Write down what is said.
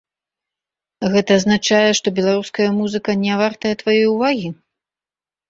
Гэта азначае, што беларуская музыка нявартая тваёй увагі?